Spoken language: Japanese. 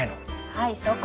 はいそこ。